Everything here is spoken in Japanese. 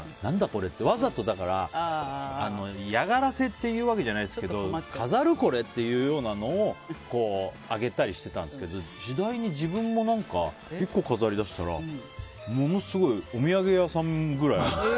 わざと嫌がらせというわけじゃないけど飾るこれ？っていうようなのをあげたりしてたんですけど次第に自分も１個飾りだしたらものすごいお土産屋さんぐらいある。